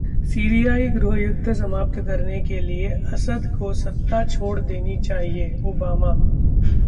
सीरियाई गृह युद्ध समाप्त करने के लिए असद को सत्ता छोड़ देनी चाहिए: ओबामा